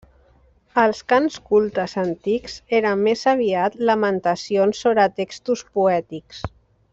Els cants cultes antics eren més aviat lamentacions sobre textos poètics.